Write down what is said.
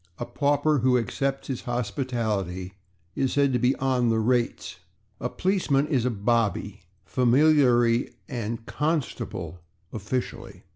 A pauper who accepts its hospitality is said to be /on the rates/. A policeman is a /bobby/ familiarly and /constable/ officially.